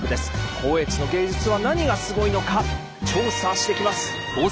光悦の芸術は何がすごいのか調査してきます。